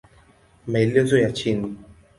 Maelezo ya chini